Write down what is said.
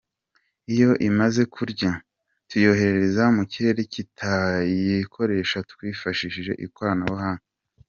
Iyo imaze kuzura, tuyohereza mu kirere tukayikoresha twifashije ikoranabuhanga.